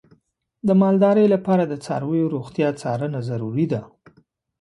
د مالدارۍ لپاره د څارویو روغتیا څارنه ضروري ده.